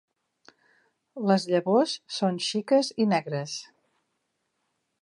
Les llavors són xiques i negres.